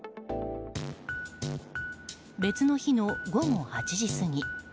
別の日の午後８時過ぎ。